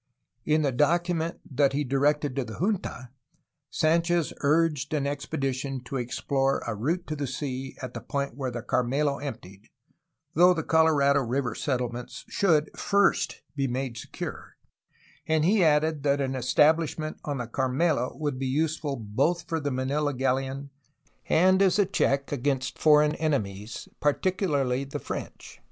In the document that he directed to the junta Sanchez urged an expedition to explore a route to the sea at the point where the Carmelo emptied, though the Colo rado River settlements should first be made secure, and he added that an establishment on the Carmelo would be use ful both for the Manila galleon and as a check against for eign enemies, particularly the French.